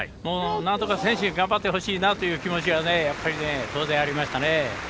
なんとか選手頑張ってほしいなという気持ちは当然ありましたね。